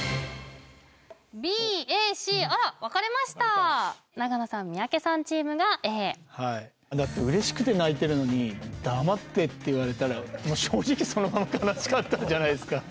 ＢＡＣあら分かれました長野さん三宅さんチームがＡはいだって嬉しくて泣いてるのに「黙って」って言われたらもう正直そのまま悲しかったんじゃないですか？